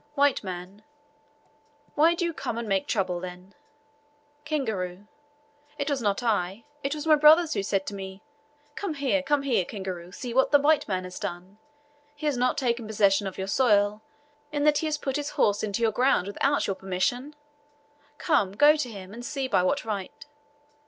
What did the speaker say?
W. M. "Why do you come and make trouble, then?" Kingaru. "It was not I; it was my brothers who said to me, 'Come here, come here, Kingaru, see what the white man has done! Has he not taken possession of your soil, in that he has put his horse into your ground without your permission? Come, go to him and see by what right.'